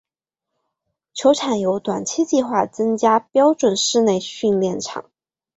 球场有短期计划增加标准室内训练场。